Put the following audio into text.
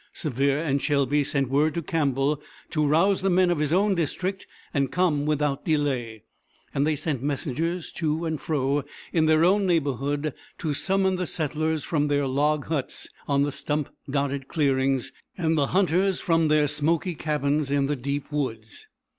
Sevier and Shelby sent word to Campbell to rouse the men of his own district and come without delay, and they sent messengers to and fro in their own neighborhood to summon the settlers from their log huts on the stump dotted clearings and the hunters from their smoky cabins in the deep woods.